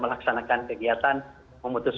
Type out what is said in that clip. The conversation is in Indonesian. melaksanakan kegiatan memutus